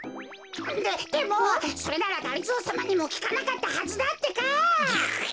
ででもそれならがりぞーさまにもきかなかったはずだってか！